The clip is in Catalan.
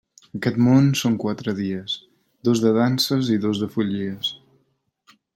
Aquest món són quatre dies: dos de danses i dos de follies.